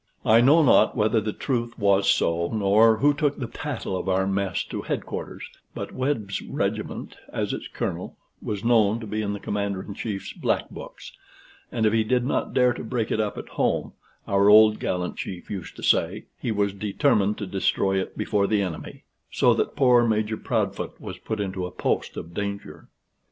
I know not whether the truth was so, nor who took the tattle of our mess to headquarters, but Webb's regiment, as its Colonel, was known to be in the Commander in Chief's black books: "And if he did not dare to break it up at home," our gallant old chief used to say, "he was determined to destroy it before the enemy;" so that poor Major Proudfoot was put into a post of danger.